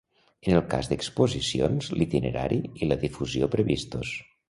En el cas d'exposicions, l'itinerari i la difusió previstos.